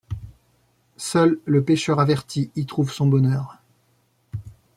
Seul le pêcheur averti y trouve son bonheur.